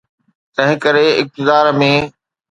تنهنڪري اقتدار ۾.